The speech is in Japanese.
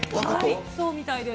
そうみたいです。